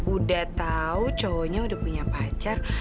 udah tau cowoknya udah punya pacar